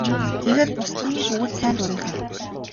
Тэгээд бусад нь бүгд сайн дурынхан.